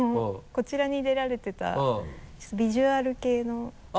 こちらに出られてたちょっとヴィジュアル系の。